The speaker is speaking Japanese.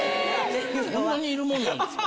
そんなに要るもんなんですか？